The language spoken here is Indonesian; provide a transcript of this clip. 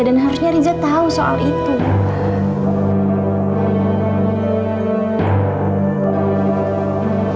dan harusnya riza tau soal itu